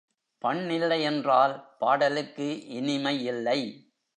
பண் இல்லை என்றால் பாடலுக்கு இனிமை இல்லை.